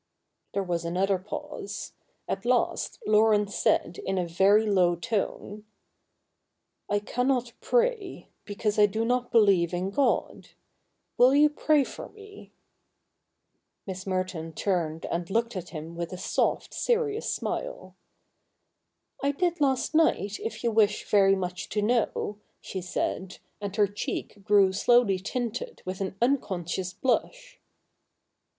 There was another pause. At last Laurence said in a very low tone :' I cannot pray, because I do not believe in God. Will you pray for me ?' Miss Mcrton turned and looked at him with a soft, serious smile. ' I did last night, if you wish very much to know,' she said, and her cheek grew slowly tinted with an un conscious blush.